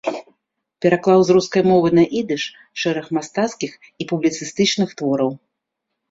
Пераклаў з рускай мовы на ідыш шэраг мастацкіх і публіцыстычных твораў.